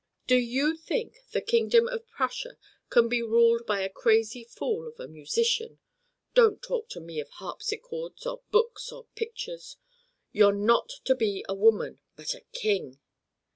Do you think the kingdom of Prussia can be ruled by a crazy fool of a musician? Don't talk to me of harpsichords, or books, or pictures. You're not to be a woman, but a king!"